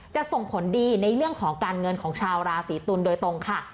จะส่งผลดีในเรื่องของการเงินของชาวราศีตุลโดยตรงค่ะ